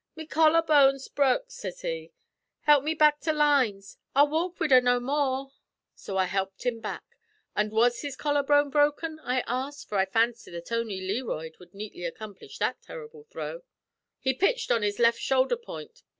"'Me collar bone's bruk,' sez he. 'Help me back to lines. I'll walk wid her no more.' So I helped him back." "And was his collar bone broken?" I asked, for I fancied that only Learoyd could neatly accomplish that terrible throw. "He pitched on his left shoulder point.